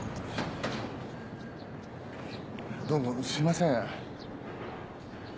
どうもすみません。